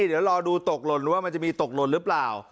เดี๋ยวรอดูตกหล่นว่ามันจะมีตกหล่นหรือเปล่า